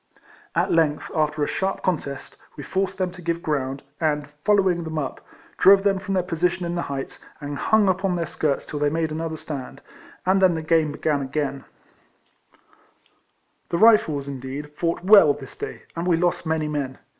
At length, after a sharp contest, we forced them to give ground, and, following them up, drove them from their position in the heights, and hung upon their skirts till they made another stand, and then the game beojan ao^ain. 42 RECOLLECTIONS OF The Rifles, incleed, fought well this day, and we lost many men.